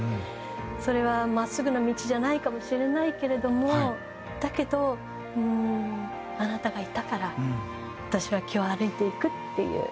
それは真っすぐな道じゃないかもしれないけれどもだけどうーんあなたがいたから私は今日歩いていくっていう。